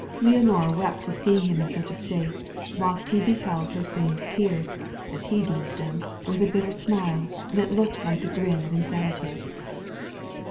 Leonora wept to see him in such a state, whilst he beheld her feigned tears, as he deemed them, with a bitter smile, that looked like the grin of insanity.